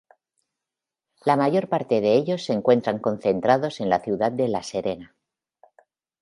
La mayor parte de ellos se encuentran concentrados en la ciudad de La Serena.